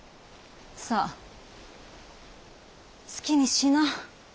さあ好きにしな。